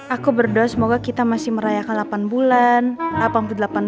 aku berdoa semoga kita masih merayakan delapan bulan